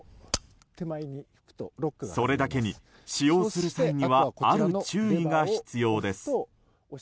それだけに使用する際にはある注意が必要です。